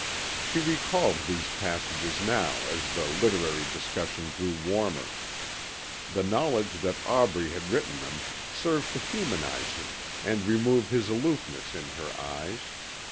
She recalled these passages now as the literary discussion grew warmer. The knowledge that Aubrey had written them served to humanize him and remove his aloofness in her eyes.